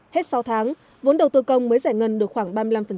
hết sáu tháng vốn đầu tư công mới giải ngân được khoảng ba mươi năm